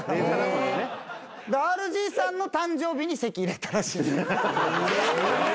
ＲＧさんの誕生日に籍入れたらしい。